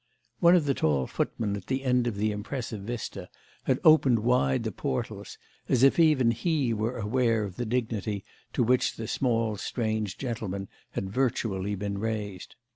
One of the tall footmen at the end of the impressive vista had opened wide the portals, as if even he were aware of the dignity to which the small strange gentleman had virtually been raised.